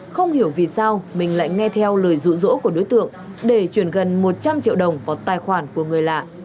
không hiểu vì sao mình lại nghe theo lời rụ rỗ của đối tượng để chuyển gần một trăm linh triệu đồng vào tài khoản của người lạ